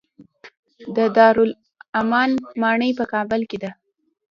د دارالامان ماڼۍ په کابل کې ده